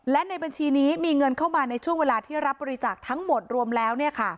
และในบัญชีนี้มีเงินเข้ามาในช่วงเวลาที่รับบริจาคทั้งหมดรวมแล้ว